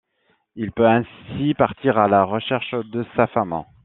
Il peut ainsi partir à la recherche de sa femme.